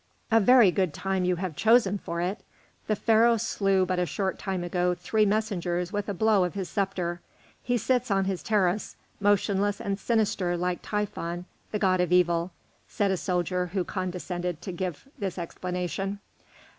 "A very good time you have chosen for it! The Pharaoh slew but a short time ago three messengers with a blow of his sceptre. He sits on his terrace, motionless and sinister like Typhon, the god of evil," said a soldier who condescended to give this explanation.